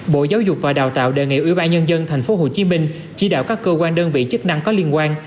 bộ giáo dục và đào tạo đề nghị ủy ban nhân dân tp hcm chỉ đạo các cơ quan đơn vị chức năng có liên quan